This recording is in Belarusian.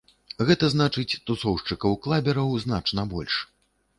Гэта значыць, тусоўшчыкаў-клабераў значна больш.